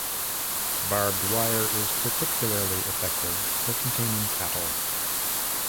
Barbed wire is particularly effective for containing cattle.